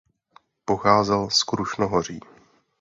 Pocházel z Krušnohoří.